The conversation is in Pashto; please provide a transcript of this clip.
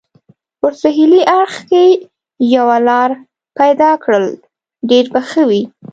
په سهېلي اړخ کې یوه لار پیدا کړل، ډېر به ښه وي.